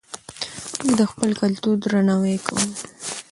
موږ د خپل کلتور درناوی کوو.